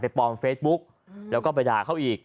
ไปปลอมเฟสบุ๊กหรอกแล้วก็ไปด่าเข้าอีก